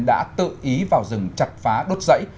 đã tự ý vào rừng chặt phá đốt dãy